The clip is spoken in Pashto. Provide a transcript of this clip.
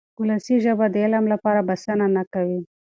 ولسي ژبه د علم لپاره بسنه نه کوي.